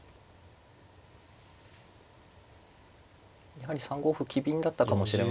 やはり３五歩機敏だったかもしれませんね。